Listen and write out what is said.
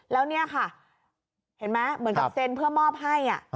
แล้วเนี่ยค่ะเห็นไหมเหมือนกับเซ็นเพื่อมอบให้